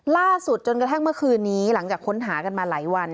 ล่าสุดจนกระทั่งเมื่อคืนนี้หลังจากค้นหากันมาหลายวัน